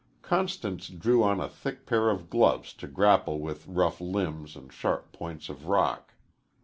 Constance drew on a thick pair of gloves to grapple with rough limbs and sharp points of rock.